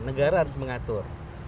negara harus mengatur